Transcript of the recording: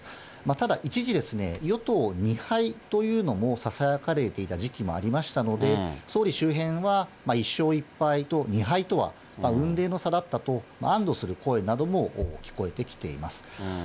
ただ、一時、与党２敗というのもささやかれていた時期もありましたので、総理周辺は、１勝１敗と、２敗とは雲泥の差だったと、安どする声なども聞こえてきています。